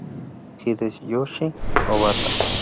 Hideyoshi Obata.